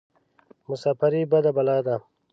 مساپرى بده بلا ده.